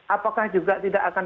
apakah juga tidak akan